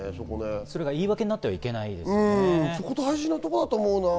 それが言い訳になってはいけ大事なところだと思うな。